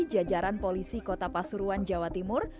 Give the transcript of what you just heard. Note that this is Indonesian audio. jajaran polisi kota pasuruan jawa timur